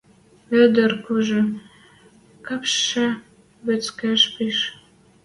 Ӹдӹр кужы, кӓпшӹ вӹцкӹж пиш.